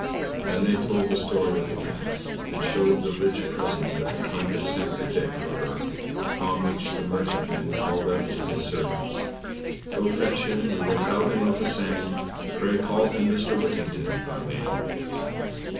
They then told the story of the cat, and showed the rich present that the King had sent to Dick for her; upon which the merchantman called out to his servants: "Go fetch him, we will tell him of the same; Pray call him Mr. Whittington by name."